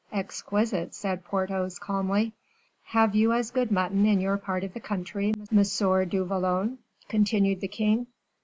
"Exquisite," said Porthos, calmly. "Have you as good mutton in your part of the country, Monsieur du Vallon?" continued the king.